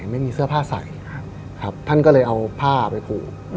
ไม่มีเสื้อผ้าใส่ครับท่านก็เลยเอาผ้าไปผูก